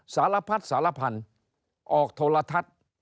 สารพัดสารพันธุ์ออกโทรทัศน์